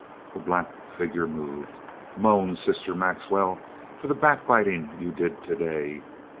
The black figure moved. "Moan, Sister Maxwell, for the backbiting you did today.